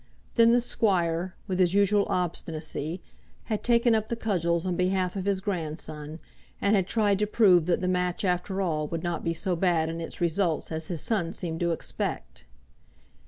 Then the squire, with his usual obstinacy, had taken up the cudgels on behalf of his grandson; and had tried to prove that the match after all would not be so bad in its results as his son seemed to expect.